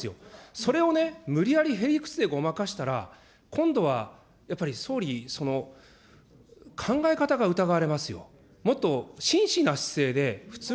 それをね、無理やりへ理屈でごまかしたら、今度はやっぱり総理、考え方が疑われますよ。